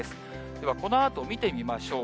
では、このあと見てみましょう。